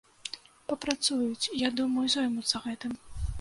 Прапрацуюць, я думаю, зоймуцца гэтым.